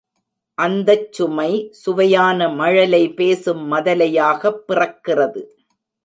அந்தச் சுமை, சுவையான மழலை பேசும் மதலையாகப் பிறக்கிறது.